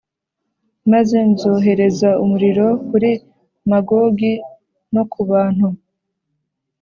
Maze nzohereza umuriro kuri Magogi no ku bantu